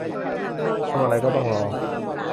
ทำอะไรก็ต้องรอ